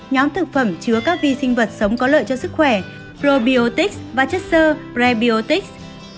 nhóm thực phẩm chứa các vi sinh vật sống có lợi cho sức khỏe probiotics và chất sơ rebiotics